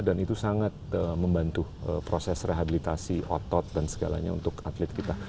dan itu sangat membantu proses rehabilitasi otot dan segalanya untuk atlet kita